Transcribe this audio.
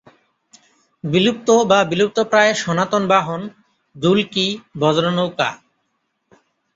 বিলুপ্ত বা বিলুপ্তপ্রায় সনাতন বাহন দুলকি, বজরা নৌকা।